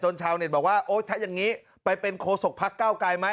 ชาวเน็ตบอกว่าโอ๊ยถ้าอย่างนี้ไปเป็นโคศกพักเก้าไกลไหม